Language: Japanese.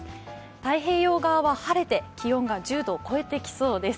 太平洋側は晴れて気温が１０度を超えてきそうです。